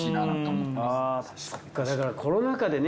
そっかだからコロナ禍でね